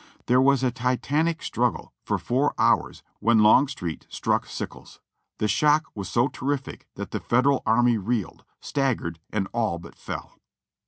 There was a Titanic struggle for four hours when Longstreet struck Sickles. The shock was so terrific that the Federal army reeled, staggered, and all but fell.